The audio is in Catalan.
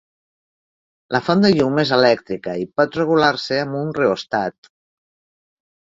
La font de llum és elèctrica i pot regular-se amb un reòstat.